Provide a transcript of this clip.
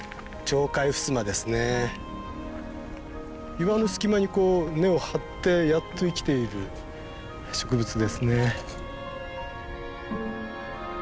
岩の隙間にこう根を張ってやっと生きている植物ですね。